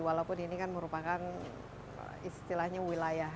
walaupun ini kan merupakan istilahnya wilayah